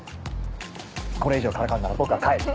これ以上からかうなら僕は帰る。